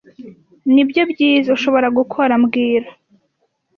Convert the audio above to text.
Nibyo byiza ushobora gukora mbwira